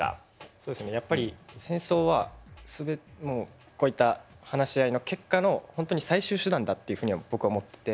そうですねやっぱり戦争はもうこういった話し合いの結果の本当に最終手段だっていうふうに僕は思ってて。